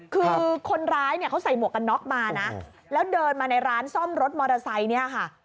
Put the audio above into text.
คือคนร้ายเนี่ยเขาใส่หมวกกันน็อกมานะแล้วเดินมาในร้านซ่อมรถมอเตอร์ไซค์เนี่ยค่ะ